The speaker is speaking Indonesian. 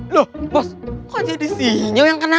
loh bos kok jadi senyum yang kena